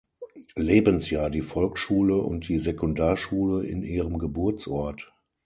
Lebensjahr die Volksschule und die Sekundarschule in ihrem Geburtsort.